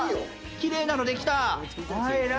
きれいなの出来た。